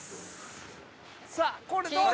さぁこれどうだ？